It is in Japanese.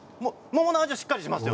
桃の味はしっかりします。